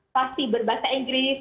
pasti berbahasa inggris